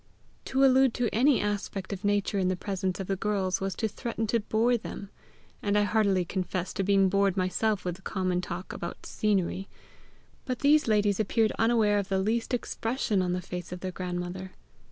To allude to any aspect of nature in the presence of the girls was to threaten to bore them; and I heartily confess to being bored myself with common talk about scenery; but these ladies appeared unaware of the least expression on the face of their grand mother.